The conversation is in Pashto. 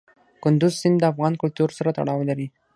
کندز سیند د افغان کلتور سره تړاو لري.